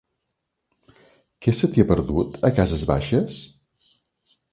Què se t'hi ha perdut, a Cases Baixes?